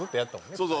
そうそう。